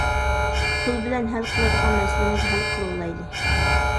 پۇل بىلەن ھەل قىلىدىغان مەسىلىمىزنى ھەل قىلىۋالايلى.